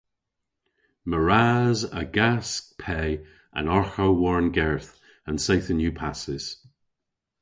Meur ras a'gas pe an arghow war'n gerth an seythen yw passys.